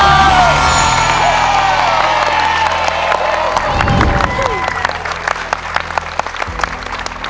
เย้